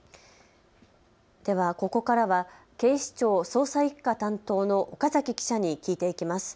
では、ここからは警視庁捜査１課担当の岡崎記者に聞いていきます。